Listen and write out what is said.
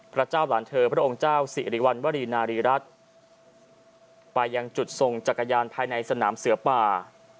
พระเจ้าหลานเธอพระองค์เจ้าสิริวัณวรีนารีรัฐไปยังจุดทรงจักรยานภายในสนามเสือป่า